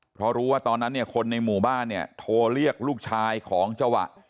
เพราะรู้ว่าตอนนั้นเนี่ยคนในหมู่บ้านเนี่ยโทรเรียกลูกชายของเจ้าวะ